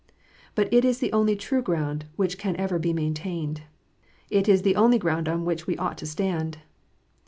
But it is the only true ground which can ever be maintained. It is the only ground on which we ought to stand.